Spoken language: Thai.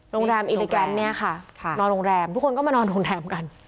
โรงแรมอิลิแกรมเนี่ยค่ะนอนโรงแรมทุกคนก็มานอนโรงแรมกัน